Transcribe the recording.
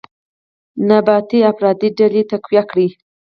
نیابتي افراطي ډلې تقویه کړي،